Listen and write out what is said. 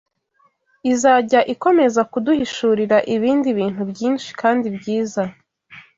izajya ikomeza kuduhishurira ibindi bintu byinshi kandi byiza